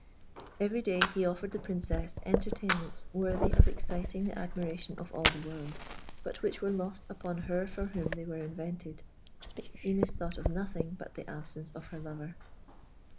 Every day he offered the Princess entertainments worthy of exciting the admiration of all the world, but which were lost upon her for whom they were invented. Imis thought of nothing but the absence of her lover.